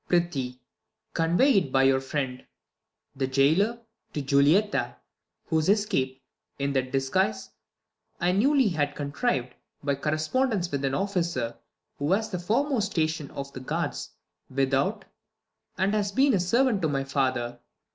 Prithee, convey it by your friend, The Jailor, to Julietta, whose escape. In that disguise, I newly have contriv'd, By correspondence with an officer Who has the foremost station of The guards without, and has been servant to My father.